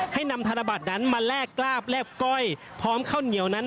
ให้นำธนบัตรนั้นมาแลกกลาบแลบก้อยพร้อมข้าวเหนียวนั้น